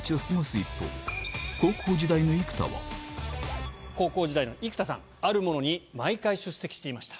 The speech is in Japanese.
一方高校時代の生田さんあるものに毎回出席していました。